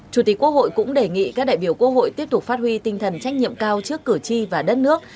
chủ tịch quốc hội cũng đề nghị các đại biểu quốc hội tiếp tục phát huy tinh thần trách nhiệm cao trước cử tri và đất nước